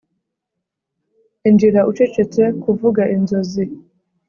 injira ucecetse kuvuga inzozi